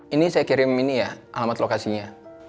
ini saya kirim ini ya alamat lokasinya